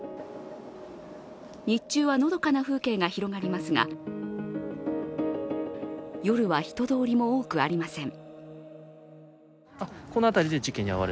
日中はのどかな風景が広がりますが夜は人通りも多くありません。